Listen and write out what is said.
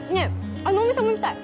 あのお店も行きたい！